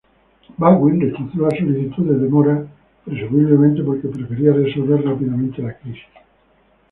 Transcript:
Baldwin rechazó la solicitud de demora, presumiblemente porque prefería resolver rápidamente la crisis.